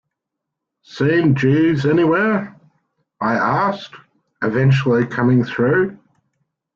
'Seen Jeeves anywhere?' I asked, eventually coming through.